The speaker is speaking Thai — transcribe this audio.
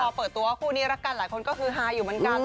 พอเปิดตัวว่าคู่นี้รักกันหลายคนก็คือฮาอยู่เหมือนกัน